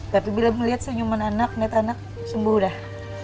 tapi bila melihat senyuman anak melihat anak sembuh dah